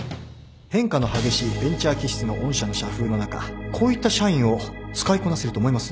変化の激しいベンチャー気質の御社の社風の中こういった社員を使いこなせると思います？